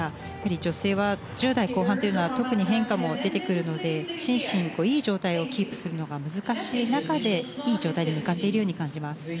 女性は１０代後半というのは特に変化も出てくるので心身、いい状態をキープするのが難しい中でいい状態で向かっているように感じます。